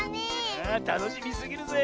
ああたのしみすぎるぜ。